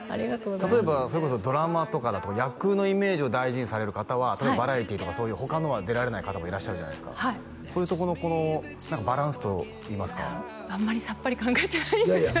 例えばそれこそドラマとかだと役のイメージを大事にされる方は多分バラエティーとかそういう他のは出られない方もいらっしゃるじゃないですかそういうとこの何かバランスといいますかあんまりさっぱり考えてないですよ